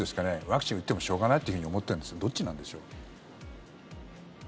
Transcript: ワクチンを打ってもしょうがないと思っているのかどっちなんでしょうか。